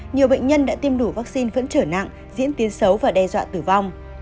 nhiều bệnh nhân đã tiêm đủ vaccine vẫn trở nặng diễn tiến xấu và đe dọa tử vong